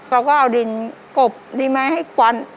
เราก็เอาดินกบดิไม่ให้กวน